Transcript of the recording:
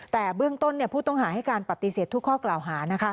แต่เบื้องต้นผู้ต้องหาให้การปฏิเสธทุกข้อกล่าวหา